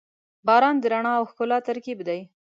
• باران د رڼا او ښکلا ترکیب دی.